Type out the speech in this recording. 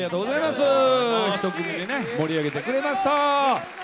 １組目盛り上げてくれました。